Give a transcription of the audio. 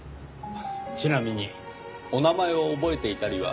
ちなみにお名前を覚えていたりは。